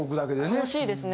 楽しいですね。